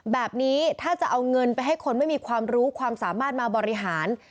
แบบนี้ถ้าจะเอาเงินไปให้คนไม่มีความรู้ความสามารถมาบริหาร